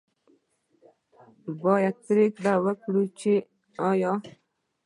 باید پرېکړه وکړي چې آیا